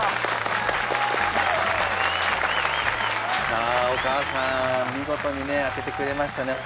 さあお母さん見事にね当ててくれましたね。